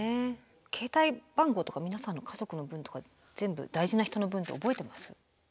携帯番号とか皆さん家族の分とか全部大事な人の分って覚えてます？